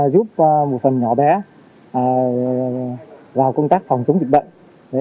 giúp một phần nhỏ bé vào công tác phòng chống dịch bệnh